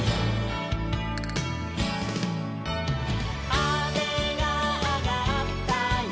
「あめがあがったよ」